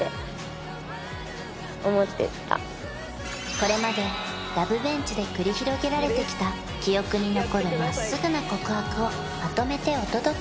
これまでラブベンチで繰り広げられてきた記憶に残る真っすぐな告白をまとめてお届け！